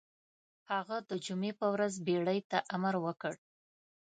هغه د جمعې په ورځ بېړۍ ته امر وکړ.